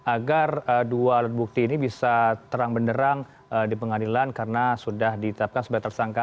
agar dua alat bukti ini bisa terang benderang di pengadilan karena sudah ditetapkan sebagai tersangka